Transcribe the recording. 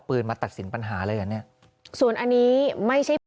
ซึ่งจะโดนอย่างนี้